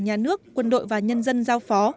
nhà nước quân đội và nhân dân giao phó